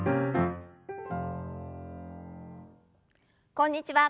こんにちは。